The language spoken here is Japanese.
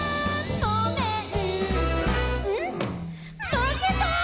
まけた」